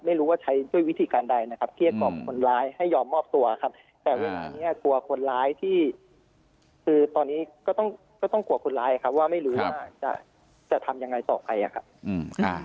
ไม่รู้ว่าใช้ด้วยวิธีการใดนะครับเกลี้ยกล่อมคนร้ายให้ยอมมอบตัวครับแต่เวลานี้กลัวคนร้ายที่คือตอนนี้ก็ต้องก็ต้องกลัวคนร้ายครับว่าไม่รู้ว่าจะจะทำยังไงต่อไปอะครับ